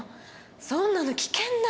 そんなの危険だよ。